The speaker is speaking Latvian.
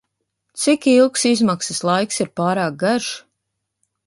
Cik ilgs izmaksas laiks ir pārāk garš?